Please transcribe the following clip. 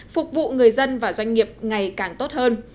phục vụ người dân và doanh nghiệp ngày càng tốt hơn